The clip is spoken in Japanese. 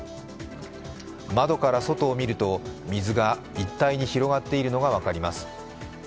窓から外を見ると、水が一帯に広がっているのが分かります。